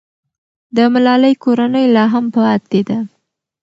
د ملالۍ کورنۍ لا هم پاتې ده.